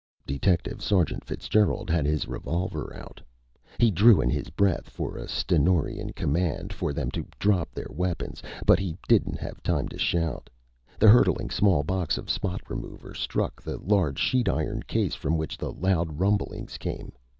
Detective Sergeant Fitzgerald had his revolver out. He drew in his breath for a stentorian command for them to drop their weapons. But he didn't have time to shout. The hurtling small box of spot remover struck the large sheet iron case from which loud rumblings came.